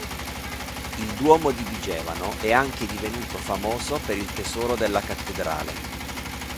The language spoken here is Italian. Il duomo di Vigevano è anche divenuto famoso per il tesoro della cattedrale.